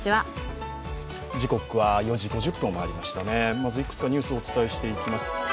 まずいくつかニュースをお伝えしていきます。